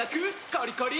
コリコリ！